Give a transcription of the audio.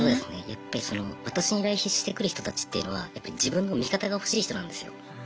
やっぱりその私に依頼してくる人たちっていうのはやっぱ自分の味方が欲しい人なんですよ。